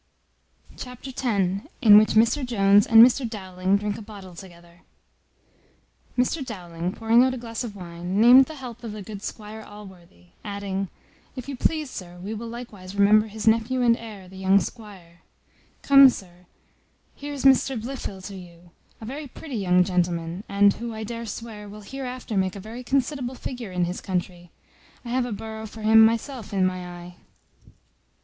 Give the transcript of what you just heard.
Chapter x. In which Mr Jones and Mr Dowling drink a bottle together. Mr Dowling, pouring out a glass of wine, named the health of the good Squire Allworthy; adding, "If you please, sir, we will likewise remember his nephew and heir, the young squire: Come, sir, here's Mr Blifil to you, a very pretty young gentleman; and who, I dare swear, will hereafter make a very considerable figure in his country. I have a borough for him myself in my eye."